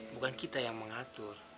bukan kita yang mengatur